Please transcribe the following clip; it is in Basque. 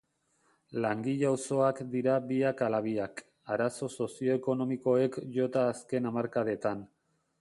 Langile-auzoak dira biak ala biak, arazo sozio-ekonomikoek jota azken hamarkadetan.